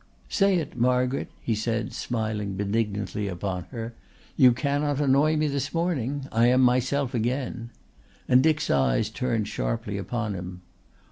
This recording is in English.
"Say it, Margaret," he said, smiling benignantly upon her. "You cannot annoy me this morning. I am myself again," and Dick's eyes turned sharply upon him.